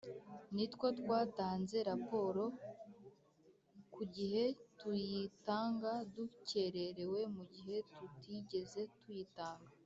Nitwo twatanze raporo ku gihe tuyitanga dukererewe mu gihe tutigeze tuyitanga